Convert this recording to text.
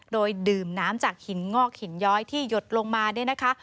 โดยดื่มน้ำจากหินงอกหินย้อยที่หยดลงมาเนี่ยนะคะ